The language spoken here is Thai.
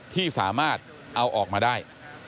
ที่สามารถเอาออกมาได้